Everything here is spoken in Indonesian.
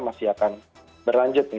masih akan berlanjut nih